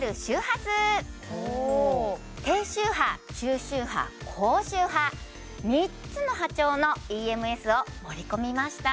低周波中周波高周波３つの波長のＥＭＳを盛り込みました